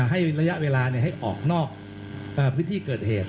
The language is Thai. ให้ระยะเวลาให้ออกนอกพื้นที่เกิดเหตุ